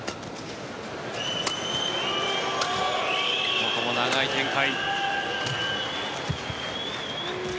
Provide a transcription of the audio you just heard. ここも長い展開。